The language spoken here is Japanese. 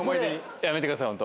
やめてください、本当。